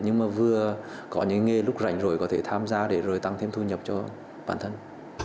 nhưng mà vừa có những nghề đúc rảnh rỗi có thể tham gia để rồi tăng thêm thu nhập cho bản thân